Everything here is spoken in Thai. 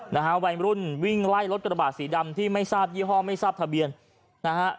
นะฮะวัยรุ่นวิ่งไล่รถกระบาดสีดำที่ไม่ทราบยี่ห้อไม่ทราบทะเบียนนะฮะ